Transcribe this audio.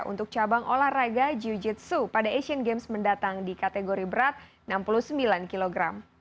untuk cabang olahraga jiu jitsu pada asian games mendatang di kategori berat enam puluh sembilan kg